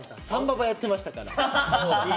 「三婆」やってましたから。